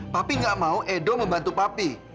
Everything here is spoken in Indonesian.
tapi nggak mau edo membantu papi